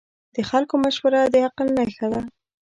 د خلکو مشوره د عقل نښه ده.